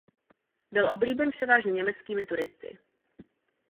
Byl oblíben převážně německými turisty.